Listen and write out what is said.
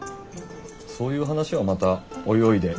そういう話はまたおいおいで。